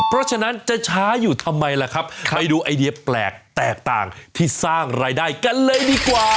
เพราะฉะนั้นจะช้าอยู่ทำไมล่ะครับไปดูไอเดียแปลกแตกต่างที่สร้างรายได้กันเลยดีกว่า